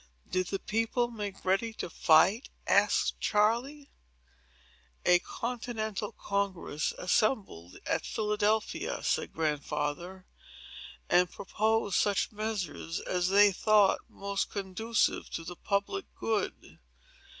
"Did the people make ready to fight?" asked Charley. "A continental Congress assembled at Philadelphia," said Grandfather, "and proposed such measures as they thought most conducive to the public good.